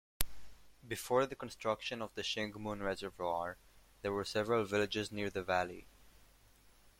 Before the construction of Shing Mun Reservoir, there were several villages near the valley.